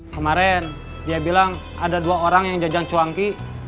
kemarin dia bilang ada dua orang yang jajan cuanki